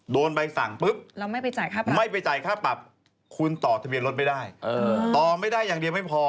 โดนใบสั่งปุ๊บไม่ไปจ่ายค่าปรับคุณต่อทะเบียนรถไม่ได้ต่อไม่ได้อย่างเดียวไม่พอ